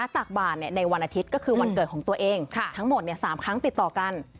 ตักบาดในวันอาทิตย์ก็คือวันเกิดของตัวเองทั้งหมด๓ครั้งติดต่อกัน